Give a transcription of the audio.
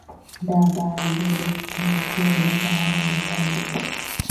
دا به د لوستونکو لپاره ګټور وي.